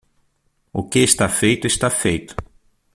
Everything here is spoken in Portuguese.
O que está feito está feito.